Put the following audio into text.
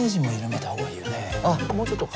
もうちょっと。